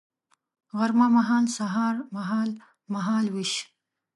غرمه مهال سهار مهال ، مهال ویش